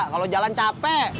kalau jalan capek